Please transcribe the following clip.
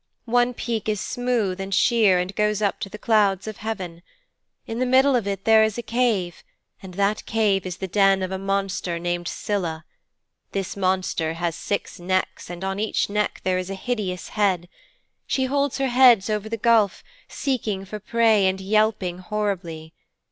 One peak is smooth and sheer and goes up to the clouds of heaven. In the middle of it there is a cave, and that cave is the den of a monster named Scylla. This monster has six necks and on each neck there is a hideous head. She holds her heads over the gulf, seeking for prey and yelping horribly.